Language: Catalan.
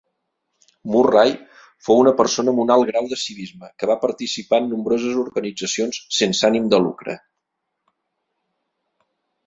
Murray fou una persona amb un alt grau de civisme que va participar en nombroses organitzacions sense ànim de lucre.